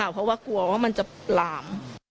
เพราะว่ากลัวว่ามันจะหลาม